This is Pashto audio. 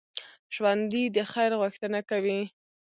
ژوندي د خیر غوښتنه کوي